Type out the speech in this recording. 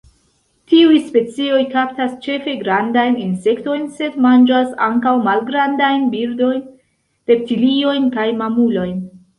Tiuj specioj kaptas ĉefe grandajn insektojn, sed manĝas ankaŭ malgrandajn birdojn, reptiliojn kaj mamulojn.